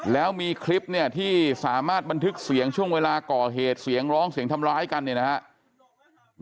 แล้วมีคลิปเนี่ยที่สามารถบันทึกเสียงช่วงเวลาก่อเหตุเสียงร้องเสียงทำร้ายกันเนี่ยนะครับ